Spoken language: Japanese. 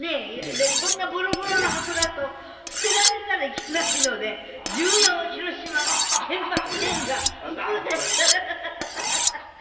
こんなボロボロの箱だと捨てられたらいけないので「重要広島」「原爆レンガ」「服」って。